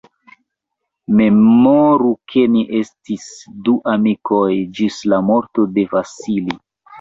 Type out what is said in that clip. Memoru, ke ni estis du amikoj ĝis la morto de Vasili.